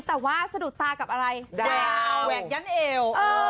แต่ว่าสะดุดตากับอะไรดาวแหวกยั้นเอว